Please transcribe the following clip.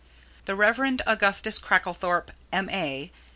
The Rev. Augustus Cracklethorpe, M.A.